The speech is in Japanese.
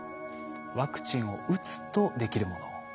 ワクチンを打つとできるもの。